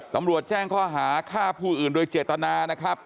ตำรวจแจ้งข้อหาฆ่าผู้อื่นโดยเจตนานะครับ